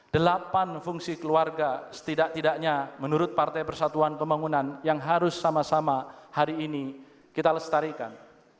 delapan fungsi keluarga setidak tidaknya menurut partai persatuan pembangunan yang harus sama sama hari ini kita lestarikan